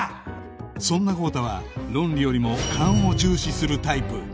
そんな豪太は論理よりも勘を重視するタイプ